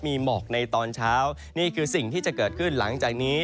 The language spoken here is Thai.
มีหมอกในตอนเช้านี่คือสิ่งที่จะเกิดขึ้นหลังจากนี้